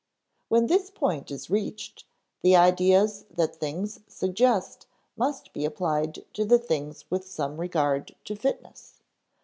When this point is reached, the ideas that things suggest must be applied to the things with some regard to fitness.